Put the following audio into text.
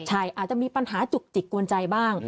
ใช่อาจจะมีปัญหาจุกจิกกวนใจบ้าง